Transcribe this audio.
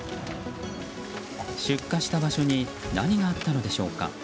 出火した場所に何があったのでしょうか。